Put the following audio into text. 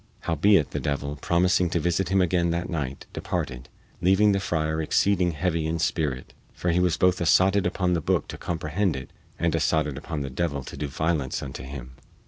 Howbeit, the devil, promising to visit him again that night, departed, leaving the friar exceeding heavy in spirit, for he was both assotted upon the booke to comprehend it and assotted upon the devil to do violence unto him.